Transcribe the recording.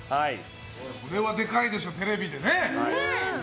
これはでかいでしょテレビでね。